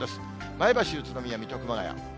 前橋、宇都宮、水戸、熊谷。